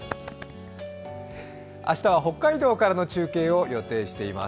明日は北海道からの中継を予定しています。